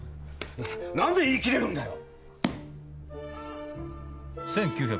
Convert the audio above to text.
「何で言い切れるんだよ？」